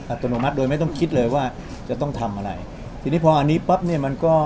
อัตโนมัติโดยไม่ต้องคิดเลยว่าจะต้องทำอะไรทีนี้พออันนี้ปั๊บเนี่ยมันก็